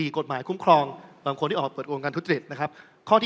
๔กฎหมายคุ้มครองบางคนที่ออกเปิดโรงการทุจิต